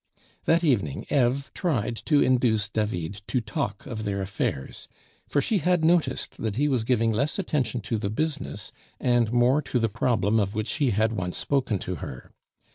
That evening Eve tried to induce David to talk of their affairs, for she had noticed that he was giving less attention to the business and more to the problem of which he had once spoken to her.